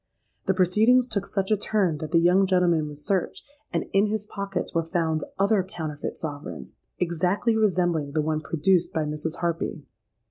The proceedings took such a turn that the young gentleman was searched; and in his pockets were found other counterfeit sovereigns, exactly resembling the one produced by Mrs. Harpy.